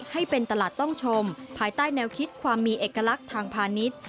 ให้เป็นตลาดต้องชมภายใต้แนวคิดความมีเอกลักษณ์ทางพาณิชย์